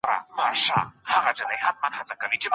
ځينې خلګ د منزلت خاوندان دي.